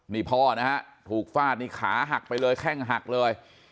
นี่พ่อนะฮะถูกฟาดนี่ขาหักไปเลยแข้งหักเลย